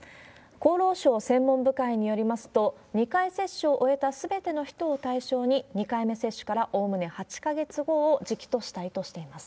厚労省専門部会によりますと、２回接種を終えたすべての人を対象に、２回目接種からおおむね８か月後を時期としたいとしています。